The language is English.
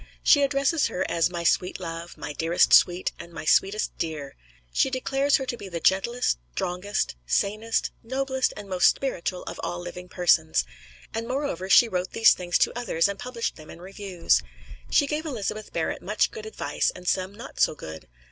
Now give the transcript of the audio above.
She addresses her as "My Sweet Love," "My Dearest Sweet," and "My Sweetest Dear." She declares her to be the gentlest, strongest, sanest, noblest and most spiritual of all living persons. And moreover she wrote these things to others and published them in reviews. She gave Elizabeth Barrett much good advice and some not so good.